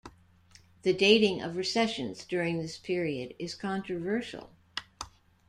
The dating of recessions during this period is controversial.